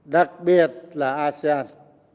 đặc biệt là asean